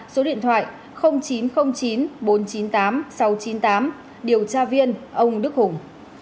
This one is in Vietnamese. số điện thoại chín trăm linh chín bốn trăm chín mươi tám sáu trăm chín mươi tám điều tra viên ông đức hùng